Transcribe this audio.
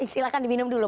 silahkan diminum dulu